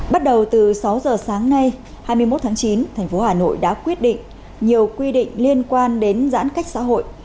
bắt đầu từ sáu h sáng nay hai mươi một tháng chín tp hcm đã quyết định nhiều quy định liên quan đến giãn cách xã hội